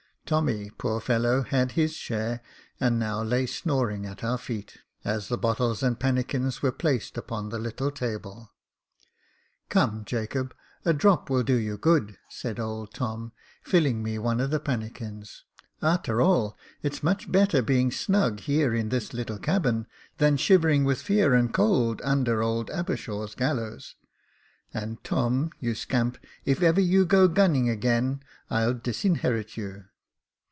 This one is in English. Tommy, poor fellow, had his share, and now lay snoring at our feet, as the bottles and pannikins were placed upon the little table. " Come, Jacob, a drop will do you good," said old Tom, filling me one of the pannikins. " A'ter all, it's much better being snug here in this little cabin, than shivering with fear and cold under old Abershaw's gallows ; and Tom, you scamp, if ever you go gunning again, I'll dis inherit you."